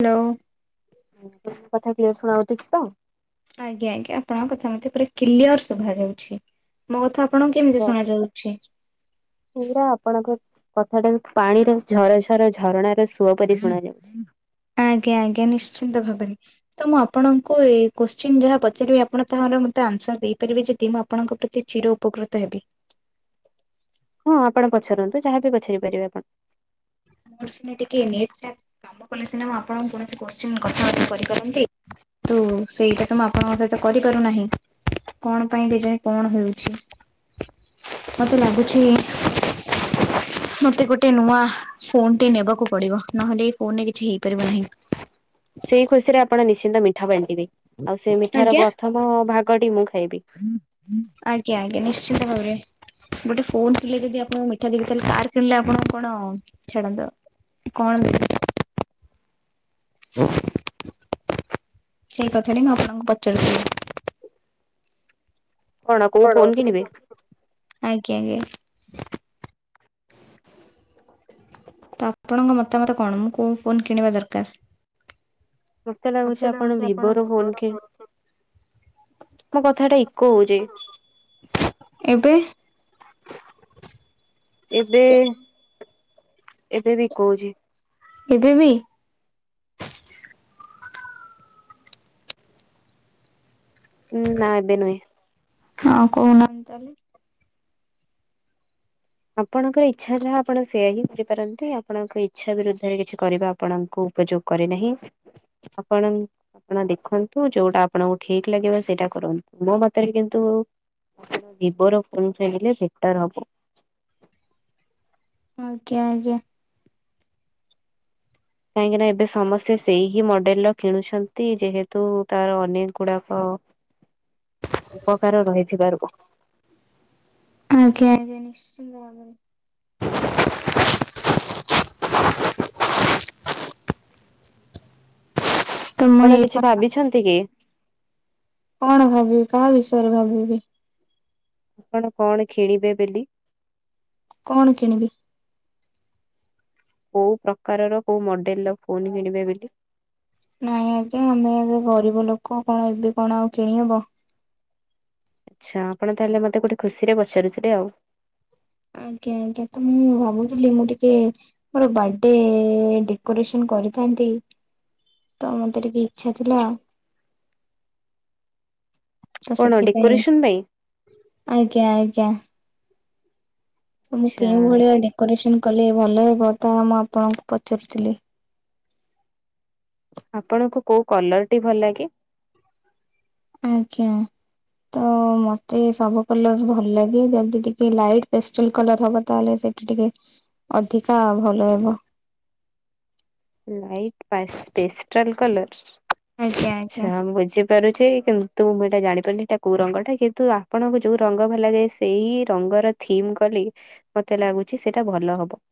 Hello. [unintelligible] ଆଜ୍ଞା ଆଜ୍ଞା ଆପଣଙ୍କ କଥା ମତେ ପୁରା କ୍ଲିଅର ଶୁଭାଯାଉଛି। ମୋ କଥା ଆପଣଙ୍କୁ କେମିତି ଶୁଣା ଯାଉଛି? ପୁରା ଆପଣଙ୍କ କଥାଟା ପାଣିର ଝର ଝର ଝରଣାର ସୁଅ ପରି ଶୁଣାଯାଉଚି। ଆଜ୍ଞା ଆଜ୍ଞା ନିଶ୍ଚିନ୍ତ ଭାବରେ। ତ ମୁଁ ଆପଣଙ୍କୁ ଏ କୋଶ୍ଚିନ୍ ଯାହା ପଚାରିବି ଆପଣ ତାହାର ମୋତେ ଆନ୍ସର ଦେଇପାରିବେ ଯଦି ମୁଁ ଆପଣଙ୍କ ପ୍ରତି ଚିର ଉପକୃତ ହେବି। ହଁ ଆପଣ ପଚରନ୍ତୁ ଯାହା ବିି ପଚାରି ପାରିବେ ଆପଣ‌। ମୋର ସିନା ଟିକେ ନେଟ୍ଟା କାମକଲେସିନା ମୁଁ ଆପଣ କୌଣସି କୋସ୍ଚିନ୍ କଥାବାର୍ତ୍ତା କରିପାରନ୍ତି। ତୁ ସେଇଟା ତ ମୁଁ ଆପଣଙ୍କ ସହିତ କରିପାରୁ ନାହିଁ। କଣ ପାଇଁ କେଜାଣି କଣ ହେଉଚି। ମତେ ଲାଗୁଛି ମତେ ଗୋଟେ ନୂଆ ଫୋନ ଟେ ନେବାକୁ ପଡିବ ନହେଲେ ଏଇ ଫୋନରେ କିଛି ହେଇପାରିବନି। ସେଇ ଖୁସି ରେ ଆପଣ ନିଶ୍ଚିନ୍ତ ମିଠା ବାଣ୍ଟିବେ ଆଉ ସେଇ ମିଠା ର ଆଜ୍ଞା ପ୍ରଥମ ମ ଭାଗଟି ମୁଁ ଖାଇବି। ଆଜ୍ଞା ଆଜ୍ଞା ନିଶ୍ଚିନ୍ତ ଭାବରେ। ଗୋଟେ ଫୋନ କିଣିଲେ ଯଦି ଆପଣଙ୍କୁ ମିଠା ଦେବି ତାହେଲେ କାର୍ କିଣିଲେ ଆପଣକୁ କଣ ଛାଡ଼ନ୍ତୁ। କଣ ଦେବି? ସେଇ କଥା ଟି ମୁଁ ଆପଣଙ୍କୁ ପଚାରୁଥିଲି। କଣ କୋଉ ଫୋନ କିଣିବେ? ଆଜ୍ଞା ଆଜ୍ଞା। ତ ଆପଣଙ୍କ ମତାମତ କଣ ମୁଁ କୋଉ ଫୋନ୍ କିଣିବା ଦରକାର? ମତେ ଲାଗୁଛି ଆପଣ ଭିବୋ ର ଫୋନ୍ କିଣି ମୋ କଥା ଟା ଇକୋ ହଉଛି। ଏବେ? ଏବେ ଏବେ ବି କହୁଛି। ଏବେ ବି? ନା ଏବେ ନୁହେଁ। ହଁ କହୁନାହାନ୍ତି ତାହେଲେ। ଆପଣଙ୍କର ଇଚ୍ଛା ଯାହା ଆପଣ ସେୟଆ ହିଁ କରିପାରନ୍ତି ଆପଣଙ୍କ ଇଚ୍ଛା ବିରୁଦ୍ଧରେ କିଛି କରିବା ଆପଣଙ୍କୁ ଉପଯୋଗ କରେ ନାହିଁ, ଆପଣ ଆପଣ ଦେଖନ୍ତୁ, ଯୋଉଟା ଆପଣଙ୍କୁ ଠିକ୍ ଲାଗିବ ସେଇଟା କରନ୍ତୁ। ମୋ ମତରେ କିନ୍ତୁ ଭିଭୋର ଫୋନ ଟା ହେଲେ ବେଟର ହବ। ଆଜ୍ଞା ଆଜ୍ଞା। କାହିଁକି ନା ଏବେ ସମସ୍ତେ ସେଇ ହିଁ ମଡେଲ ର କିଣୁଛନ୍ତି ଯେହେତୁ ତାର ଅନେକ ଗୁଡାକ ଉପକାର ରହିଥିବାରୁ ଆଜ୍ଞା ଆଜ୍ଞା ନିଶ୍ଚିନ୍ତ ଭାବରେ। ତ ମୁଁ ଆପଣ ଏଇ କିଛି କଣ ଭାବିଛନ୍ତି କି ଭାବିବି, କାହା ବିଷୟରେ ଭାବିବି? ଆପଣ କଣ କିଣିବେ ବୋଲି କଣ କିଣିବି? କୋଉ ପ୍ରକାରର, କୋଉ ମଡେଲ ର ଫୋନ କିଣିବେ ବୋଲି। ନାଇଁ ଆଜ୍ଞା ଆମେ ଏବେ ଗରିବ ଲୋକ କଣ ଏବେ କଣ ଆଉ କିଣିହବ। ଆଚ୍ଛା ଆପଣ ତାହେଲେ ମତେ ଗୋଟେ ଖୁସିରେ ପଚାରୁଥିଲେ ଆଉ। ଆଜ୍ଞା ଆଜ୍ଞା ତ ମୁଁ ଭାବୁଥିଲି ମୁଁ ଟିକେ ମୋର ବାର୍ଥଡେ ଡେକୋରେସନ କରିଥାନ୍ତି, ତ ମତେ ଟିକେ ଇଚ୍ଛା ଥିଲା ତ କଣ ସେଥିପାଇଁ, ଡେକୋରେସନ ପାଇଁ? ଆଜ୍ଞା ଆଜ୍ଞା। ତ ମୁଁ ଆଚ୍ଛା କେଉଁ ଭଳିଆ ଡେକୋରେସନ କଲେ ଭଲ ହେବ, ତାହା ମୁଁ ଆପଣଙ୍କୁ ପଚାରୁଥିଲି। ଆପଣଙ୍କୁ କୋଉ କଲର ଟି ଭଲ ଲାଗେ? ଆଜ୍ଞା। ତ ମତେ ସବୁ କଲର ଭଲ ଲାଗେ। ଯଦି ଟିକେ ଲାଇଟ୍ ପେଷ୍ଟଲ କଲର ହବ ତାହେଲେ ସେ ଟିକେ ଅଧିକା ଭଲ ହେବ। ଲାଇଟ ପାଇସ୍ ପେଷ୍ଟଲ କଲର ଆଜ୍ଞା ଆଜ୍ଞା। ଆଚ୍ଛା ବୁଝି ପାରୁଚି କିନ୍ତୁ ମୁଁ ଏଇଟା ଜାଣିପାରୁନି ଏଇଟା କୋଉ ରଙ୍ଗଟା କିନ୍ତୁ ଆପଣଙ୍କୁ ଯୋଉ ରଙ୍ଗ ଭଲ ଲାଗେ ସେଇ ରଙ୍ଗର ଥିମ୍ କଲି ମତେ ଲାଗୁଚି ସେଇଟା ଭଲ ହବ।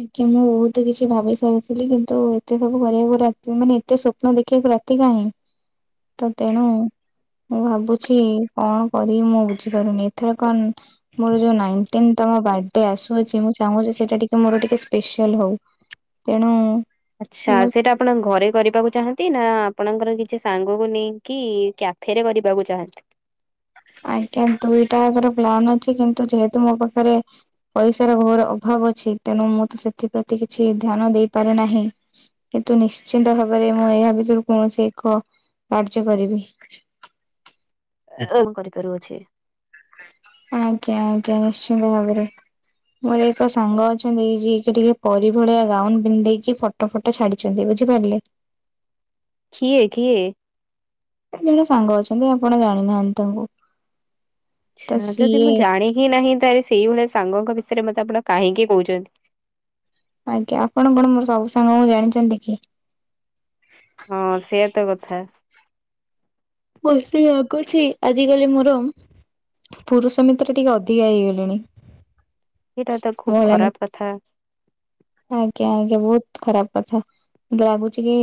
ଆଜ୍ଞା ମୁଁ ବହୁତ କିଛି ଭାବି ସାରିଥିଲି କିନ୍ତୁ ଏତେ ସବୁ କରିବାକୁ ରାତି ମାନେ ଏତେ ସ୍ୱପ୍ନ ଦେଖିବାକୁ ରାତି ତି କାହିଁ? ତ ତେଣୁ ମୁଁ ଭାବୁଛି କଣ କରିବି ମୁଁ ବୁଝିପାରୁନି, ଏଥର କଣ ମୋର ଯୋଉ ନାଇଟିନ୍ ତମ ବାଡେ ଆସୁଅଛି ମୁଁ ଚାହୁଁଛି ସେଇଟା ଟିକେ ମୋର ଟିକେ ସ୍ପେଶାଲ ହଉ। ତେଣୁ ଆଚ୍ଛା ମୁଁ ସେଇଟା ଆପଣ ଘରେ କରିବାକୁ ଚାହାନ୍ତି ନା ଆପଣଙ୍କର କିଛି ସାଙ୍ଗକୁ ନେଇକି କ୍ୟାଫେରେ କରିବାକୁ ଚାହାନ୍ତି? ଆଜ୍ଞା ଦୁଇଟାଙ୍କର ପ୍ଲାନ୍ ଅଛି କିନ୍ତୁ ଯେହେତୁ ମୋ ପାଖରେ ପଇସାର ଭୋର ଅଭାବ ଅଛି, ତେଣୁ ମୁଁ ତ ସେଥିପ୍ରତି କିଛି ଧ୍ୟାନ ଦେଇପାରେ ନାହିଁ। କିନ୍ତୁ ନିଶ୍ଚିନ୍ତ ଭାବରେ ମୁଁ ଏହା ଭିତରୁ କୌଣସି ଏକ କାର୍ଯ୍ୟ କରିବି। [unintelligible] କରିପାରୁଅଛି। ଆଜ୍ଞା ଆଜ୍ଞା ନିଶ୍ଚିନ୍ତ ଭାବରେ। ମୋର ଏକ ସାଙ୍ଗ ଅଛନ୍ତି ଯିକେ ଟିକେ ପରି ଭଳିଆ ଗାଉନ ପିନ୍ଧେଇକି ପୋଟ୍ ଟ ଫୋଟ ଛାଡିଛନ୍ତି ବୁଝିପାରିଲେ? କିଏ କିଏ? ଜଣେ ସାଙ୍ଗ ଅଛନ୍ତି ଆପଣ ଜାଣିନାହାନ୍ତି ତାଙ୍କୁ। ତ ଆଚ୍ଛା ଯଦି ସିଏ ମୁଁ ଜାଣିହି ନାହିଁ ତାହେଲେ ସେଇଭଳିଆ ସାଙ୍ଗଙ୍କ ବିଷୟରେ ମତେ ଆପଣ କାହିଁକି କହୁଛନ୍ତି? ଆଜ୍ଞା ଆପଣ କଣ ମୋର ସବୁ ସାଙ୍ଗଙ୍କୁ ଜାଣିଛନ୍ତି କି? ହଁ ସେଇଆ ତ କଥା। ମତେ ଲାଗୁଛି ଆଜି କାଲି ମୋର ପୁରୁଷ ମିତ୍ର ଟିକେ ଅଧିକା ହେଇଗଲେଣି ଏଇଟା ତ ଖୁବ୍ ମହିଳା ମି ଖରାପ୍ କଥା ଆଜ୍ଞା ଆଜ୍ଞା ବହୁତ ଖରାପ୍ କଥା ମୁଁ ତ ଭାବୁଛି କି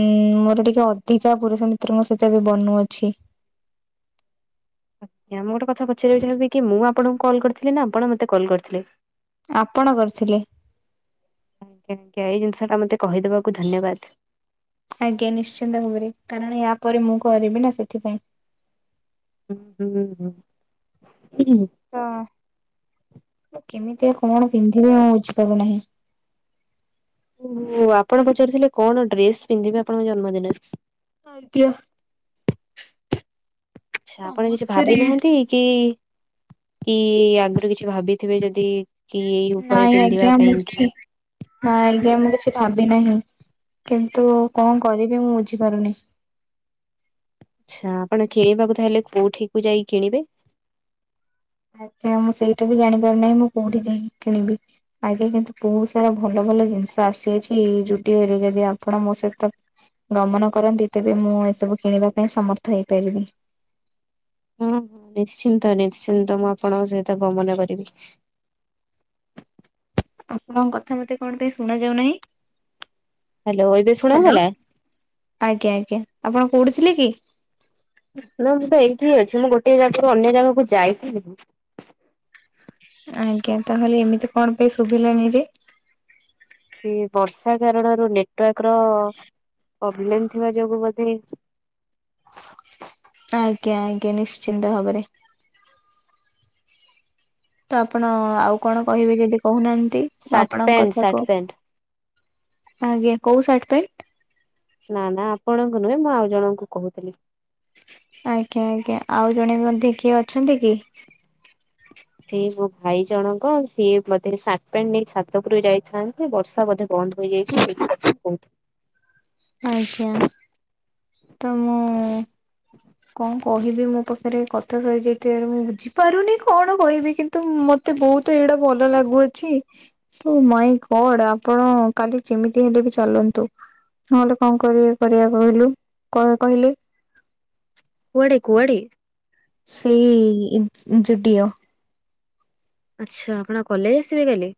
ଉଁ ମୋର ଟିକେ ଅଧିକା ପୁରୁଷ ମିତ୍ର ସହିତ ଏବେ ବନୁଅଛି ଆଜ୍ଞା ମୁଁ ଗୋଟେ କଥା ପଚାରିବାକୁ ଚାହିବିକି ମୁଁ ଆପଣଙ୍କୁ କଲ୍ କରିଥିଲି ନା ଆପଣ ମତେ କଲ୍ କରିଥିଲେ ଆପଣ କରିଥିଲେ ଆଜ୍ଞା ଆଜ୍ଞା ଏଇ ଜିନିଷଟା ମତେ କହିଦେବାକୁ ଧନ୍ୟବାଦ୍ ଆଜ୍ଞା ନିଶ୍ଚିନ୍ତ ଭାବରେ କାରଣ ୟା ପରେ ମୁଁ କରିବି ନା ସେଥିପାଇଁ ହୁଁ ହୁଁ ହୁଁ ତ ମୁ କେମିତିଆ କଣ ପିନ୍ଧିବି ଆଉ ବୁଝିପାରୁନାହିଁ ହୁ ହୁ ଆପଣ ପଚାରୁଥିଲେ କଣ ଡ୍ରେସ୍ ପିନ୍ଧିବେ ଆପଣଙ୍କ ଜନ୍ମଦିନରେ ଆଜ୍ଞା ଆଛା ଆପଣ କିଛି ସମସ୍ତରେ ଭାବିନାହାନ୍ତି କି କି ଆଗରୁ କିଛି ଭାବିଥିବେ ଯଦି କି ଏଇ ଉପରେ ପିନ୍ଧିବା ପାଇଁ କି ନାଁ ଆଜ୍ଞା ମୁଁ କିଛି ଭାବି ନାହିଁ କିନ୍ତୁ କଣ କରିବି ମୁଁ ବୁଝିପାରୁନି ଆଚ୍ଛା ଆପଣ କିଣିବାକୁ ତାହେଲେ କୋଉଠି କୁ ଯାଇ କିଣିବେ ଆଜ୍ଞା ମୁଁ ସେଇଟା ବି ଜାଣିପାରୁ ନାହିଁ ମୁଁ କୋଉଠି ଯାଇକି କିଣିବି ଆଜ୍ଞା କିନ୍ତୁ ବହୁତ ସାରା ଭଲ ଭଲ ଜିନିଷ ଆସିଯାଇଛି ଏଇ ଜୁଡିଅରେ ଯଦି ଆପଣ ମୋ ସହିତ ଗମନ କରନ୍ତି ତେବେ ମୁଁ ଏସବୁ କିଣିବା ପାଇଁ ସମର୍ଥ ହେଇପାରିବି ହୁଁ ହୁଁ ନିଶ୍ଚିନ୍ତ ନିଶ୍ଚିନ୍ତ ମୁଁ ଆପଣଙ୍କ ସହିତ ଗମନ କରିବି ଆପଣଙ୍କ କଥା ମତେ କଣ ପାଇଁ ଶୁଣା ଯାଉ ନାହିଁ ହ୍ୟାଲୋ ଏବେ ଶୁଣା ଗଲା ଆଜ୍ଞା ଆଜ୍ଞା ଆପଣ କୋଉଠି ଥିଲେ କି ନା ମୁଁ ତ ଏଇଠି ହିଁ ଅଛି ମୁଁ ଗୋଟେ ଜାଗାରୁ ଅନ୍ୟ ଜାଗାକୁ ଯାଇନି ନାହିଁ ଆଜ୍ଞା ତାହେଲେ ଏମିତି କଣ ପାଇଁ ଶୁଭିଲାଣି ନି ଯେ ସେ ବର୍ଷା କାରଣରୁ ନେଟୱାର୍କ ର ପ୍ରୋବ୍ଲେମ୍ ଥିବା ଯୋଗୁ ବଧେ ଆଜ୍ଞା ଆଜ୍ଞା ନିଶ୍ଚିନ୍ତ ଭାବରେ ତ ଆପଣ ଆଉ କଣ କହିବେ ଯଦି କହୁନାହାନ୍ତି ମୁଁ ସାର୍ଟ ଆପଣଙ୍କ ପ୍ୟାଣ୍ଟ କଥା ସାର୍ଟ କୁ ପ୍ୟାଣ୍ଟ ଆଜ୍ଞା କୋଉ ସାର୍ଟ ପ୍ୟାଣ୍ଟ ନା ନା ଆପଣଙ୍କୁ ନୁହେଁ ମୁଁ ଆଉ ଜଣଙ୍କୁ କହୁଥିଲି ଆଜ୍ଞା ଆଜ୍ଞା ଆଉ ଜଣେ ବେଧୋ କିଏ ଅଛନ୍ତି କି ସେଇ ମୋ ଭାଇ ଜଣଙ୍କ ସିଏ ବୋଧେ ସାର୍ଟ ପ୍ୟାଣ୍ଟେ ନେଇ ଛାତ ଉପୁରୁ ଯାଇଥାନ୍ତେ ବର୍ଷା ବୋଧେ ବନ୍ଦ ହୋଇ ଯାଇଛି ସେଗୁଡା ଶୁକେଉଛି ଆଜ୍ଞା ତ ମୁ କଁ କହିବି ମୋ ପାଖରେ କଥା ସରିଯାଇଥିବାରୁ ମୁଁ ବୁଝିପାରୁନି କଣ କହିବି କିନ୍ତୁ ମତେ ବହୁତ ଏଇଗୁଡା ଭଲ ଲାଗୁଅଛି ତ ମାଇ ଗଡ୍ ଆପଣ କାଲି ଯେମିତି ହେଲେ ବି ଚାଲନ୍ତୁ ନହେଲେ କଣ କରିବି କରିବା କହିଲୁ କହିଲି କୁଆଡ଼େ କୁଆଡ଼େ ସେଇ ଜୁଟିଓ ଆଚ୍ଛା ଆପଣ କଲେଜ୍ ଆସିବେ କାଲି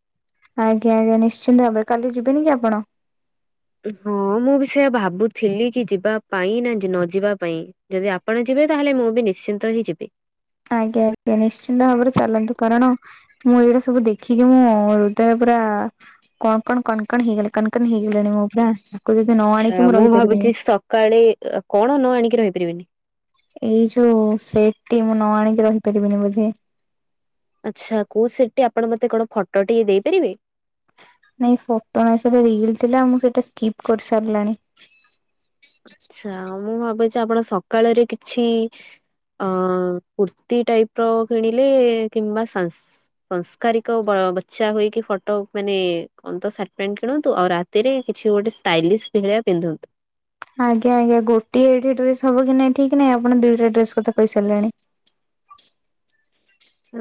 ଆଜ୍ଞା ଆଜ୍ଞା ନିଶ୍ଚିନ୍ତ ଭାବରେ କାଲି ଯିବେନି କି ଆପଣ ହଁ ମୁଁ ବି ସେଇଆ ଭାବୁଥିଲି କି ଯିବା ପାଇଁ ନା ନ ଯିବା ପାଇଁ ଯଦି ଆପଣ ଯିବେ ତାହେଲେ ମୁଁ ବି ନିଶ୍ଚିନ୍ତ ହିଁ ଯିବି ଆଜ୍ଞା ଆଜ୍ଞା ନିଶ୍ଚିନ୍ତ ଭାବରେ ଚାଲନ୍ତୁ କାରଣ ମୁଁ ଏଇଗୁଡ଼ା ସବୁ ଦେଖିକି ମୁଁ ହୃଦୟ ପୁରା କଣ କଣ କଣକଣ ହେଇଗଲା କଣକଣ ହେଇଗଲାଣି ମଁ ପୁରା ତାକୁ ଯଦି ନ ଆଣିକି ମୁଁ ରହିପାରିବିନି। କାଳେ କଣ ନ ଆଣିକି ରହିପାରିବେନି। ଏଇ ଯୋଉ ସେଟଟି ମୁଁ ନ ଆଣିକି ରହିପାରିବିନି ବୋଧେ। ଆଚ୍ଛା କୋଉ ସେଟଟି ଆପଣ ମତେ କଣ ଫଟୋ ଟିକେ ଦେଇପାରିବେ। ନାଇଁ ଫଟୋ ନଁ ସେଟା ରିଲ ଥିଲା ମୁଁ ସେଇଟା ସ୍କିପ୍ କରି ସାରିଲାଣି ଆ୍ଛା ମୁଁ ଭାବୁଛି ଆପଣ ସକାଳରେ କିଛି ଅଁ କୁର୍ତ୍ତି ଟାଇପ ର କିଣିଲେ କିମ୍ବା ସାଂସ ସଂସ୍କାରିକ ବଚା ହେଇକି ଫଟୋ ମାନେ ଅନ୍ତ ସାର୍ଟ ପ୍ୟାଣ୍ଟ କିଣନ୍ତୁ ଆଉ ରା ଭିତରେ କିଛି ଗୋଟେ ଷ୍ଟାଇଲିଶ ଭିଳିଆ ପିନ୍ଧନ୍ତୁ। ଆଜ୍ଞା ଆଜ୍ଞ ଗୋଟିଏ ଗୋଟିଏ ଡ୍ରେସ ହବ କି ନାଇଁଠିକ ନାଇଁ ଆପଣ ଦିଇଟାଡ୍ରେସ କ କହିସାରିଲେଣି।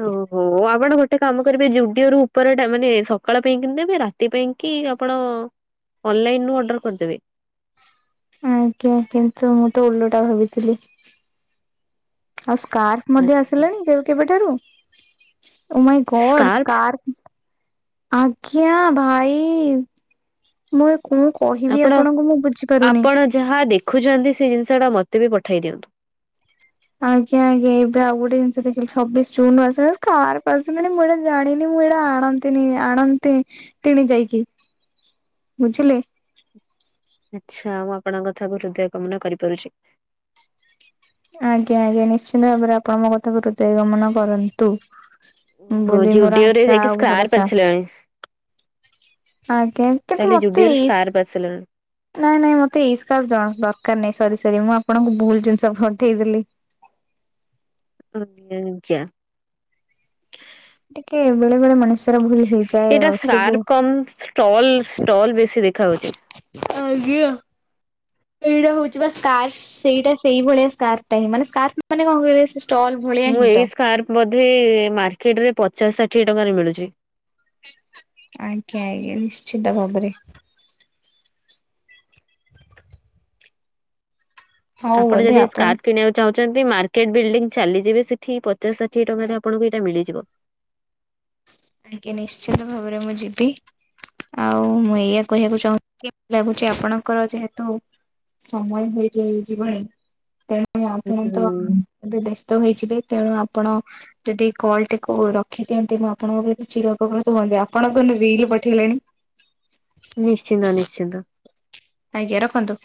ଓହୋ ଆପଣ ଗୋଟେ କାମ କରିବେ ଯୁଡିଓ ରୁ ଉପରେ ଏଟା ମାନେ ସକାଳ ପାଇଁ କିଣିଦେବେ ରାତ ସେଥିପାଇଁ କି ଆପଣ ଅନଲାଇନ ରୁ ଅର୍ଡର କରିଦେବେ। ଆଜ୍ଞା କିନ୍ତୁ ମୁଁ ତ ଓଲଟା ଭାବିଥିଲି। ଆଉ ସ୍କାର୍ପ ମଧ୍ୟ ଓହୋ ଆସିଲାଣି କେବେଠାରୁଓ ମାଇଁ ଗଡ଼ ସ୍କାର୍ଫ ସ୍କାର୍ପ ଆଜ୍ଞା ଭାଇ ମୁଁ କୁକ ଆପଣ ଆପଣ ଯାହା ଦେଖୁଛନ୍ତି ସେ ଜିନିଷ ଟା ମତେ ବି ପଠେଇ ଦିଅନ୍ତୁ। ଆଜ୍ଞା ଆଜ୍ଞା ଏବେ ଆଉ ଗୋଟେ ଜିନିଷ ଦେଖିଲି ଛବିଶ ଜୁନରୁୁ ଆସ ସ୍କାର୍ପ ଆସିଲାଣି ମୁଁ ଏଟା ଜାଣିନି ମୁଁ ଏଟା ଆଣନ୍ତି ତିଣେ ଆଣନ୍ତି ତିଣି ଦେଇକି ବୁଝିଲେ? ଆଚ୍ଛା ମୁଁ ଆପଣଙ୍କ କଥାକୁ ହୃଦୟଗମନ କରିପାରୁଛି। ଆଜ୍ଞା ଆଜ୍ଞା ନିଶ୍ଚିନ୍ତ ଭାବରେ ଆପଣ ମୋ କଥାକୁ ହୃଦୟ ଗମନ କରନ୍ତୁ। ମୁଁ ଓହୋ ବୋଇଲି ମୋର ଜୁଡିଓ ରେ ଆଶା ଯାଇକି ଆଉ ସ୍କାର୍ପ ଭରସା ଆସିଲାଣି। ଆଜ୍ଞା କିନ୍ତୁ ତାହେଲେ ମତେ ଜୁଡିଓରେ ସ୍କାର୍ପ ଆସିଲାଣି। ଇସ୍କି ନାଇଁ ନାଇଁ ମତେ ଏଇସ୍ ଦରକାର ନାହିଁ ସରି ସରି ମୁଁ ଆପଣଙ୍କୁ ଭୁଲ ଜିନିଷ ପଠେଇଦେଲି। ଆଜ୍ଞା। ଟିକେ ବେଳେ ବେଳେ ମଣିଷର ଭୁଲ ହେଇଯାଏ ଏଇଟା ଆଉ ସବୁ ସ୍କାର୍ପ କମ ଷ୍ଟଲ ଷ୍ଟଲ ବେଶୀ ଦେଖା ହଉଛି। ଆ୍ଞା ଏଇଟା ହଉଛି ବା ଟାକ୍ସ। ସେଇଟା ସେଇଭଳିଆ ସ୍କାର୍ପ ଟାହିଁ ମାନେ ସ୍କାର୍ପ ମାନେ କଣ କହିଲ ସେ ଷ୍ଟଲ ଭଳିଆ ମୁଁ ହିଁ ତ। ଏଇ ସ୍କାର୍ପ ବୋଧେ ମାର୍କେଟରେ ପଚାଶ ଷାଠିଏ ଟଙ୍କାରେ ମିଳୁଛି। ଆଜ୍ଞା ଆଜ୍ଞ ନିଶ୍ଚିତ ଭାବରେ। ହଉ ଆପଣ ବୋଧେ ଯଦି ସ୍କାର୍ପ କିଣିବା ଚାହୁଛନ୍ତି ମାର୍କେଟ ବିଲ୍ଡିଂ ଚାଲିଯିବେ ସେଠି ପଚାଶ ଷାଠିଏ ଟଙ୍କାରେ ଆପଣଙ୍କୁ ଏଇଟା ମିଳିଯିବ। ଆଜ୍ଞା ନିଶ୍ଚିତ ଭାବରେ ମୁଁ ଯିବି। ଆଉ ମୁଁ ଏଇଆ କହିବାକୁ ଚାହୁଁଛି ଲାଗୁଛି ଆପଣଙ୍କର ଯେହେତୁ ସମୟ ହେଇଯାଇ ଜିବଣି ତେଣୁ ଆପଣ ତ ହୁଁ ଏବେ ବ୍ୟସ୍ତ ହୋଇଯିବେ ତେଣୁ ଆପଣ ଯଦି କଲ ଟିକୁ ରଖି ଦିଅନ୍ତି ମୁଁ ଆପଣଙ୍କ ପ୍ରତି ଚିର ଉପକୃତ ହୁଅନ୍ତି ଆପଣଙ୍କ ରିଲ ପଠେଇଲେଣି। ନିଶ୍ଚିନ୍ତ ନିଶ୍ଚିନ୍ତ। ଆଜ୍ଞା ରଖନ୍ତୁ।